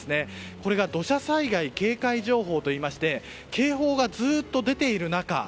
これが土砂災害警戒情報といいまして警報がずっと出ている中